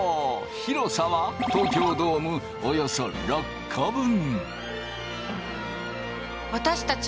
広さは東京ドームおよそ６個分。